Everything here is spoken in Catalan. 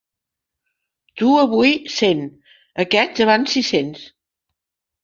Tu avui cent, aquests abans sis-cents.